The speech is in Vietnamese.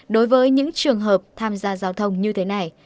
đối với những trường hợp tham gia giao thông như thế này